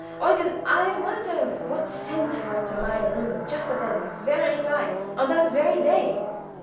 Eugen, I wonder what sent you up to my room just at that very time, on that very day!"